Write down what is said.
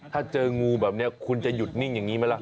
ถ้าเจองูแบบนี้คุณจะหยุดนิ่งอย่างนี้ไหมล่ะ